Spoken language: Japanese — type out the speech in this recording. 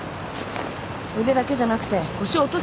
腕だけじゃなくて腰を落として持ち上げんの。